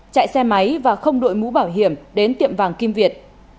chạy xe máy và không đội mũ bảo hiểm đến tiệm vàng kim việt